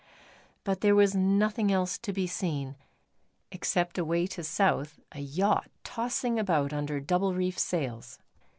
But there was nothing else to be seen, except away to south a yacht tossing about under double reefed sails.